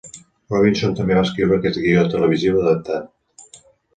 Robinson també va escriure aquest guió televisiu adaptat.